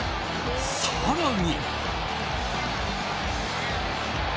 更に。